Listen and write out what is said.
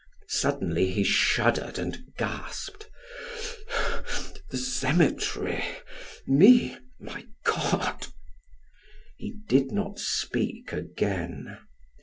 Suddenly he shuddered and gasped: "The cemetery me my God!" He did not speak again.